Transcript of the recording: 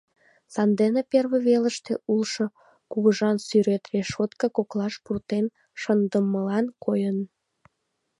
Сандене первый велыште улшо кугыжан сӱрет решотка коклаш пуртен шындымыла койын.